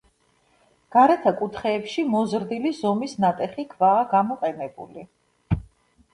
გარეთა კუთხეებში მოზრდილი ზომის ნატეხი ქვაა გამოყენებული.